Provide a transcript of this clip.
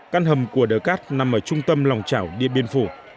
căn hầm của đỡ cát nằm ở trung tâm lòng chảo điện biên phủ